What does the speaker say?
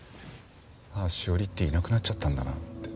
ああ史織っていなくなっちゃったんだなって。